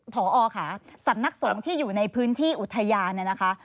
พอค่ะสำนักสงฆ์ที่อยู่ในพื้นที่อุทยานเนี่ยนะคะ